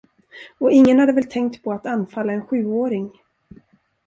Och ingen hade väl tänkt på att anfalla en sjuåring.